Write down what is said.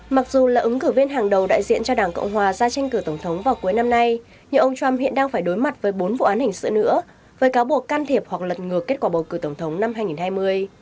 mặc dù là ứng cử viên hàng đầu đại diện cho đảng cộng hòa ra tranh cử tổng thống vào cuối năm nay nhưng ông trump hiện đang phải đối mặt với bốn vụ án hình sự nữa với cáo buộc can thiệp hoặc lật ngược kết quả bầu cử tổng thống năm hai nghìn hai mươi